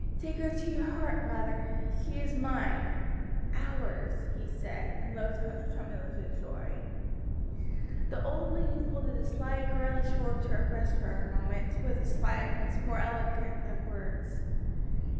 "Take her to your heart, mother; she is mine ours!" he said, in low tones tremulous with joy. The old lady folded the slight girlish form to her breast for a moment, with a silence more eloquent than words.